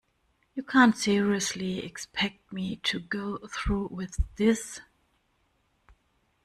You can't seriously expect me to go through with this?